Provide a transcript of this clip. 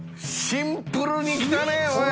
シンプルにきたねおい。